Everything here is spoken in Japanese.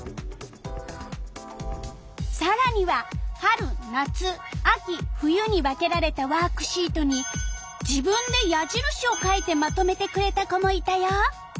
さらには春夏秋冬に分けられたワークシートに自分で矢印を書いてまとめてくれた子もいたよ。